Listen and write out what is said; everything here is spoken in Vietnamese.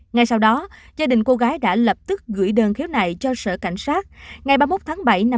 ngay sau đó gia đình cô gái đã lập tức gửi đơn khiếu này cho sở cảnh